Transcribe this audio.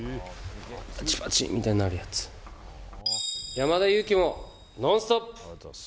山田裕貴も「ノンストップ！」。